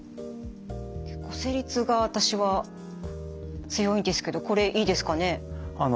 結構生理痛が私は強いんですけどこれいいですかね？